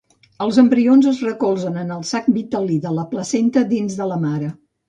Els embrions es recolzen en el sac vitel·lí de la placenta dins de la mare.